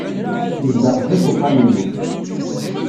Yezdeɣ sdat wexxam-inu.